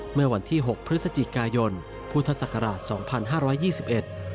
เมื่อวันที่๖พฤศจิกายนพุทธศักราช๒๕๒๑